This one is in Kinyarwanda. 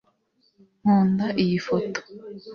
nkunda iyi foto